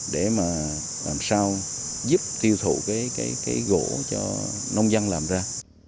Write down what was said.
để mà làm sao giúp tiêu thụ cái gỗ cho nông dân làm ra